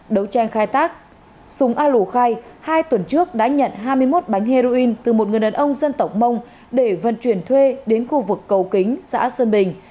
đấu tranh khai thác sùng a lù khai hai tuần trước đã nhận hai mươi một bánh heroin từ một người đàn ông dân tộc mông để vận chuyển thuê đến khu vực cầu kính xã sơn bình